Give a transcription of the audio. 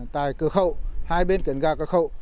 tại cửa khẩu hai bên kiểm tra cửa khẩu